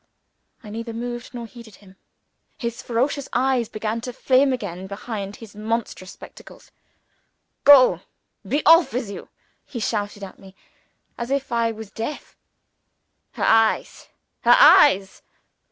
I neither moved nor heeded him. His ferocious eyes began to flame again behind his monstrous spectacles. "Go be off with you!" he shouted at me as if I was deaf. "Her eyes! her eyes!